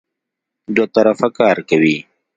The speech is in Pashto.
دوه طرفه کار کوي.